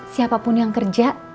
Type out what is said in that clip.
siapapun yang kerja